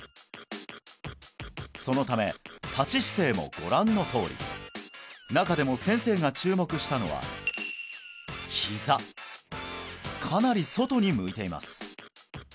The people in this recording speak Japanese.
そのため立ち姿勢もご覧のとおり中でも先生が注目したのはひざかなり外に向いています